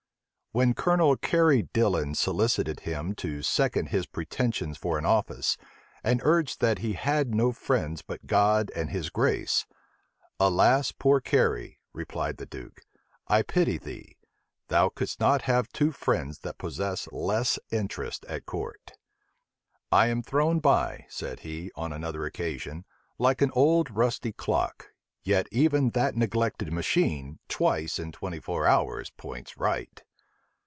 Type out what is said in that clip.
When Colonel Cary Dillon solicited him to second his pretensions for an office, and urged that he had no friends but God and his grace, "Alas! poor Cary," replied the duke, "I pity thee: thou couldst not have two friends that possess less interest at court." "I am thrown by," said he, on another occasion, "like an old rusty clock; yet even that neglected machine, twice in twenty four hours, points right."